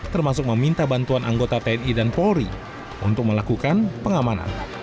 termasuk meminta bantuan anggota tni dan polri untuk melakukan pengamanan